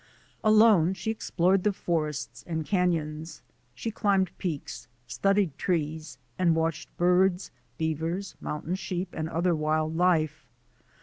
Alone she explored the forests and canons. She climbed peaks, studied trees, and watched birds, beavers, mountain sheep, and other wild life.